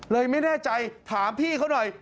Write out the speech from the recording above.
อ๋อเลยไม่แน่ใจถามพี่เขาหน่อย